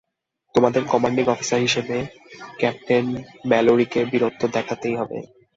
তোমাদের commanding officer হিসাবে, captain ম্যালোরিকে বীরত্ব দেখাতেই হবে।